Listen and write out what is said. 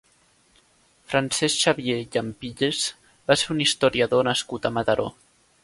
Francesc Xavier Llampilles va ser un historiador nascut a Mataró.